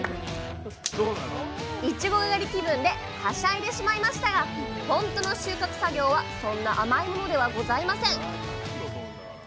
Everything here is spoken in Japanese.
いちご狩り気分ではしゃいでしまいましたが本当の収穫作業はそんな甘いものではございません